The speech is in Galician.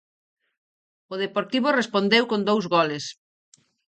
O Deportivo respondeu con dous goles.